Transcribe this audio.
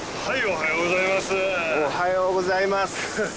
おはようございます。